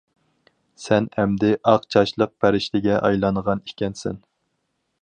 سەن ئەمدى ئاق چاچلىق پەرىشتىگە ئايلانغان ئىكەنسەن.